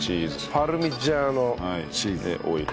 パルミジャーノチーズ。でオイル。